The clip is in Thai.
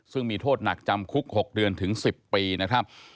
ซึ่งมีโทษหนักจำคุก๖เดือนถึง๑๐ปีนะครับ